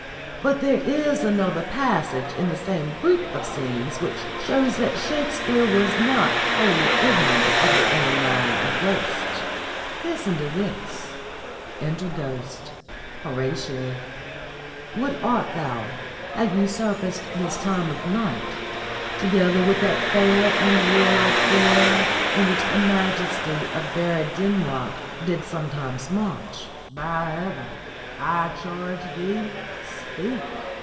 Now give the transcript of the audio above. But there is another passage in the same group of scenes which shows that Shakespeare was not wholly ignorant of the inner mind of ghosts. Listen to this: 'Enter Ghost. Horatio. What art thou, that usurp'st this time of night, Together with that fair and warlike form In which the majesty of buried Denmark Did sometimes march? By Heaven I charge thee, speak!